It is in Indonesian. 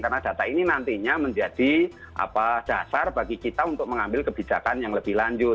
karena data ini nantinya menjadi dasar bagi kita untuk mengambil kebijakan yang lebih lanjut